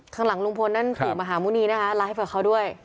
ข้างหลังลุงพลนั้นปู่มหามุนีนะฮะลายให้เฝอเขาด้วย